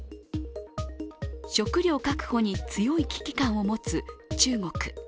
食料確保に強い危機感を持つ中国。